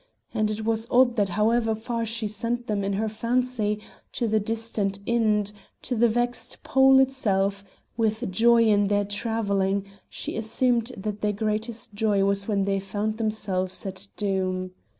And it was odd that however far she sent them in her fancy to the distant Ind, to the vexed Pole itself with joy in their travelling, she assumed that their greatest joy was when they found themselves at Doom.